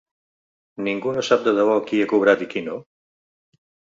Ningú no sap de debò qui ha cobrat i qui no?